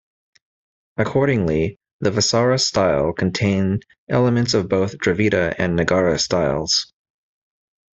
Accordingly, the "Vesara" style contain elements of both Dravida and Nagara styles.